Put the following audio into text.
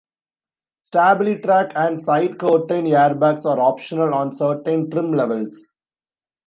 StabiliTrak and side curtain airbags are optional on certain trim levels.